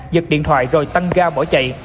giật điện thoại rồi tăng ga bỏ chạy